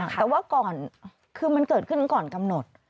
แต่ว่าก่อนคือมันเกิดขึ้นก่อนกำหนด